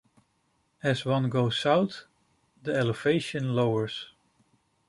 As one goes south the elevation lowers.